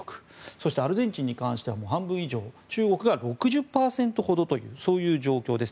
そしてアルゼンチンに関しては半分以上中国が６０％ほどというそういう状況です。